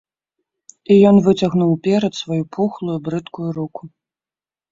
І ён выцягнуў уперад сваю пухлую, брыдкую руку.